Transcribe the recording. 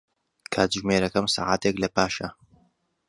کاتژمێرەکەم سەعاتێک لەپاشە.